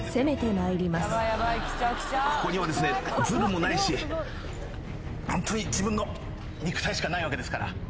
ここにはずるもないしホントに自分の肉体しかないわけですから。